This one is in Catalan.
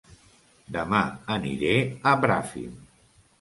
Dema aniré a Bràfim